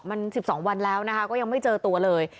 มัน๑๒วันแล้วนะคะก็ยังไม่เจอตัวเลย